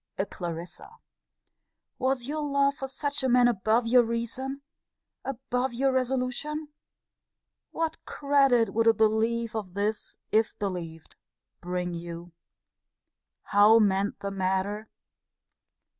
A Clarissa! Was your love for such a man above your reason? Above your resolution? What credit would a belief of this, if believed, bring you? How mend the matter?